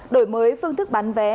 đổi mới phương thức bán vé